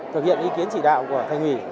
thực hiện ý kiến chỉ đạo của thành ủy